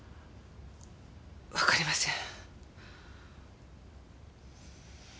わかりません。